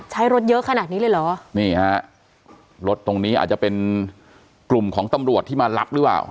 รถเยอะขนาดนี้เลยเหรอนี่ฮะรถตรงนี้อาจจะเป็นกลุ่มของตำรวจที่มารับหรือเปล่า